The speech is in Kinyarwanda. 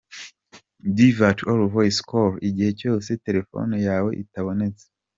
Divert all voice call : igihe cyose telefoni yawe itabonetse.